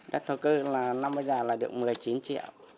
đất thổ cư là năm bây giờ là được một mươi chín triệu